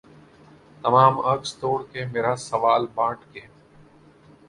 تمام عکس توڑ کے مرا سوال بانٹ کے